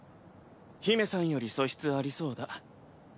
姫さんより素質ありそうだ。